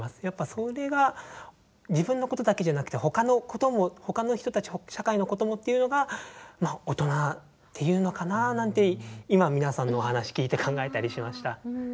やっぱそれが自分のことだけじゃなくてほかのこともほかの人たち社会のこともっていうのがまあ大人っていうのかななんて今皆さんのお話聞いて考えたりしました。